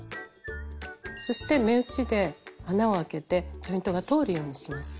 そして目打ちで穴をあけてジョイントが通るようにします。